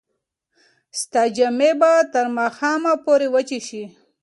ستا جامې به تر ماښامه پورې وچې شي.